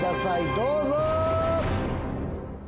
どうぞ。